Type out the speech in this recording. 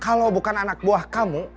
kalau bukan anak buah kamu